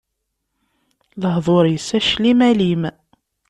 Lehdur-is, aclim alim.